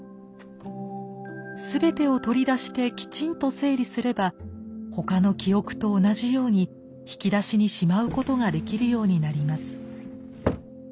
全てを取り出してきちんと整理すればほかの記憶と同じように引き出しにしまうことができるようになります。